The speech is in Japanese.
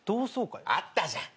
あったじゃん。